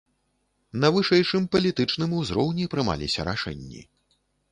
На вышэйшым палітычным узроўні прымаліся рашэнні.